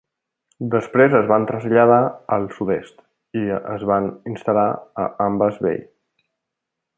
Després es van traslladar al sud-est i es van instal·lar a Ambas Bay.